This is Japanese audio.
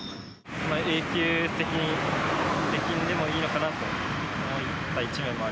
永久的に出禁でもいいのかなと思った一面も。